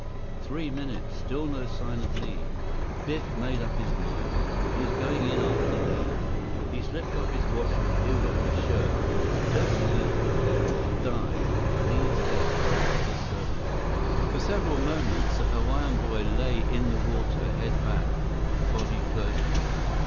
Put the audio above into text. Three minutes! Still no sign of Li. Biff made up his mind. He was going in after Li. He slipped off his watch and peeled off his shirt. Just as he was preparing to dive, Li's head broke the surface. 142 How long could Li hold his breath? 143 For several moments, the Hawaiian boy lay in the water, head back, body floating.